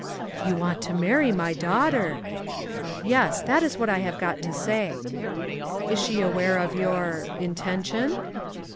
"You want to marry my daughter!" "Yes. That is what I have got to say." "Is she aware of your intention?"